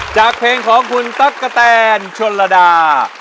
จากเพลงของคุณต๊อบกระแทนชวนลดา